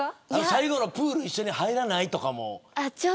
最後のプール一緒に入らないとかも。